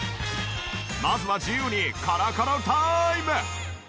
まずは自由にコロコロタイム！